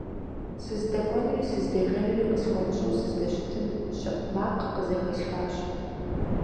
СыздэкӀуэнури сыздэжэнури къысхуэмыщӀэу сыздэщытым, щэӀу макъ къызэхэсхащ.